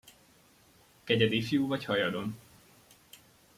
Kegyed ifjú vagy hajadon?